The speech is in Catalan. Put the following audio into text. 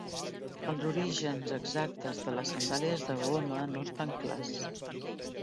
Els orígens exactes de les sandàlies de goma no estan clars.